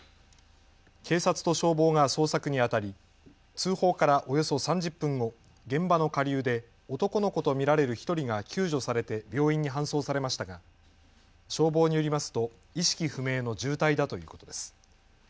警察と消防が捜索にあたり通報からおよそ３０分後、現場の下流で男の子と見られる１人が救助されて病院に搬送されましたが消防によりますと意識不明の重体だということです。